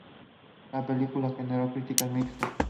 La película generó críticas mixtas.